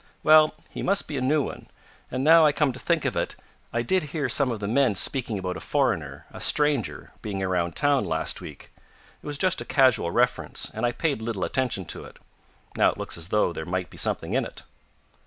"Well, he must be a new one. And, now I come to think of it, I did hear some of the men speaking about a foreigner a stranger being around town last week. It was just a casual reference, and I paid little attention to it. Now it looks as though there might be something in it."